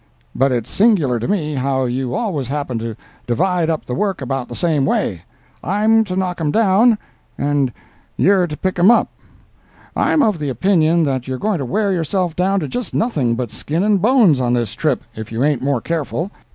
But it's singular to me how you always happen to divide up the work about the same way. I'm to knock 'em down, and you're to pick 'em up. I'm of the opinion that you're going to wear yourself down to just nothing but skin and bones on this trip, if you ain't more careful.